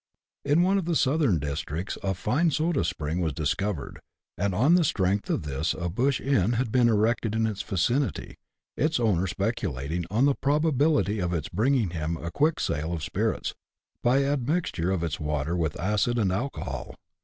In one of the southern districts a fine soda spring was dis covered, and on the strength of this a bush inn had been erected in its vicinity, its owner speculating on the probability of its bringing him a quick sale of spirits, by admixture of its water with acid and alcohol.